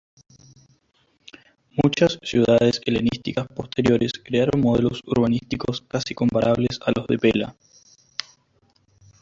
Muchas ciudades helenísticas posteriores crearon modelos urbanísticos casi comparables a los de Pela.